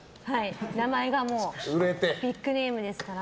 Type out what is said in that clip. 名前がビッグネームですから。